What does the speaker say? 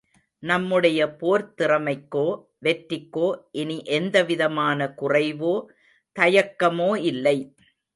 நம்முடைய போர்த் திறமைக்கோ, வெற்றிக்கோ இனி எந்தவிதமான குறைவோ, தயக்கமோ இல்லை.